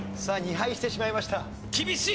さあ２敗してしまいました。